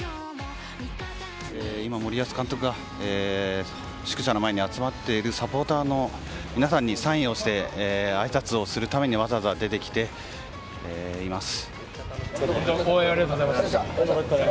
今、森保監督が宿舎の前に集まっているサポーターの皆さんにサインをして挨拶をするためにわざわざ出てきています。